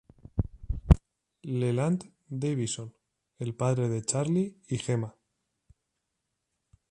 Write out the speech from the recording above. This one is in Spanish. Leland Davidson: el padre de Charley y Gemma.